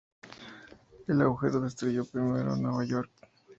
El agujero destruyó primero Nueva York.